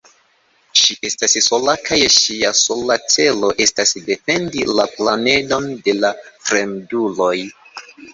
Ŝi estas sola, kaj ŝia sola celo estas defendi la planedon de fremduloj.